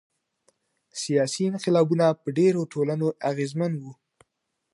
سیاسي انقلابونه په ډیرو ټولنو اغیزمن وو.